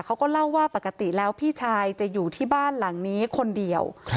เขาก็เล่าว่าปกติแล้วพี่ชายจะอยู่ที่บ้านหลังนี้คนเดียว